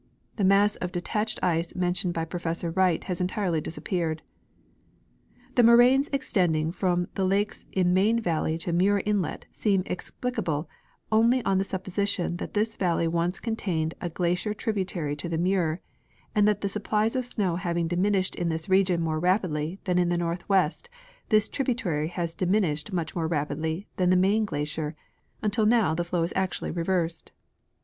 The mass of detached ice mentioned by Professor Wright has entirely disappeared. The moraines extending from the lakes in Main valley to Muir inlet seem explicable only on the supposition that this valle}^ once contained a glacier tributary to the Muir, and that the sup plies of snow having diminished in this region more rapidly than in the northwest this tributary has diminished much more rapidly than the Main glacier, until now the flow is actually reversed.